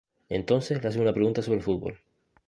Entonces le hacen una pregunta sobre fútbol.